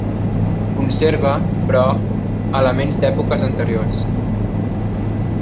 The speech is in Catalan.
Conserva, però, elements d'èpoques anteriors.